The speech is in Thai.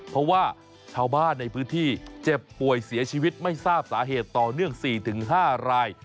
เพราะว่าชาวบ้านในพื้นที่เจ็บป่วยเสียชีวิตไม่ทราบสาเหตุต่อเนื่อง๔๕ราย